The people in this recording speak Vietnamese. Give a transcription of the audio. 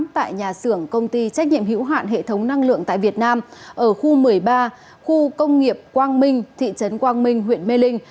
tại nhà xưởng công ty trách nhiệm hữu hạn hệ thống năng lượng tại việt nam ở khu một mươi ba khu công nghiệp quang minh thị trấn quang minh huyện mê linh